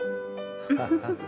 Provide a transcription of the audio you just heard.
フフフフ。